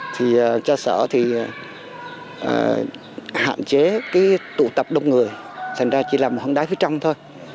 thì cha sở thì hạn chế cái tụ tập đông người thành ra chỉ là một hân đáy phía trong thôi